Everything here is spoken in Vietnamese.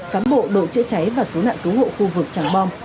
cán bộ đội chữa cháy và cứu nạn cứu hộ khu vực tràng bom